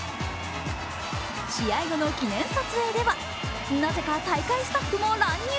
試合後の記念撮影では、なぜか大会スタッフも乱入。